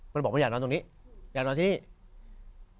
มันก็ทำลายอย่านอนที่นี้